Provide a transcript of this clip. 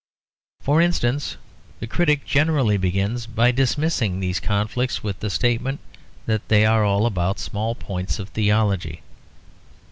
For instance, the critic generally begins by dismissing these conflicts with the statement that they are all about small points of theology.